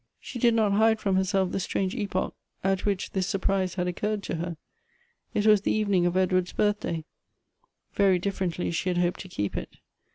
She did not hide from herself the strange epoch at which this surprise had occurred to her. It was the eve ning of Edward's birthday. Very differently she had hoped to keep it.